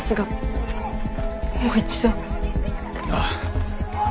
ああ。